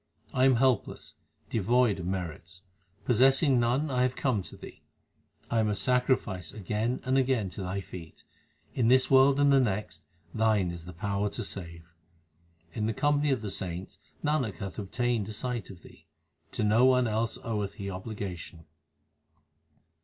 1 am helpless, devoid of merits ; possessing none I have come to Thee. I am a sacrifice again and again to Thy feet ; in this world and the next Thine is the power to save. In the company of the saints Nanak hath obtained a sight of Thee ; to none else oweth he obligation.